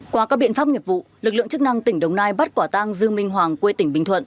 qua các biện pháp nghiệp vụ lực lượng chức năng tỉnh đồng nai bắt quả tang dư minh hoàng quê tỉnh bình thuận